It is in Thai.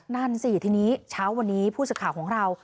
นั่นสิทีนี้เช้าวันนี้ผู้สื่อข่าวของเรา